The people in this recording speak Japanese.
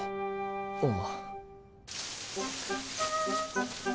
ああ。